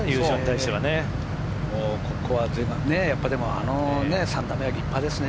あの３打目は立派ですね。